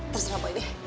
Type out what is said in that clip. terus ngapain deh